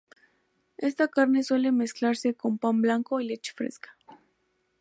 Esta carne suele mezclarse con pan blanco y leche fresca.